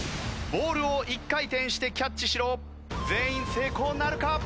ボールを１回転してキャッチしろ全員成功なるか？